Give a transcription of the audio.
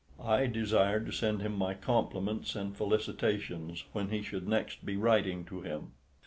I desired to send him my compliments and felicitations when he should next be writing to him.